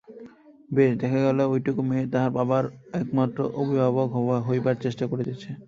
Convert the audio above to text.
বেশ দেখা গেল ওইটুকু মেয়ে তাহার বাবার একমাত্র অভিভাবক হইবার চেষ্টা করিতেছে।